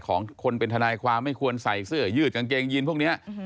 ของคนเป็นทนายความไม่ควรใส่เสื้อยืดกางเกงยีนพวกนี้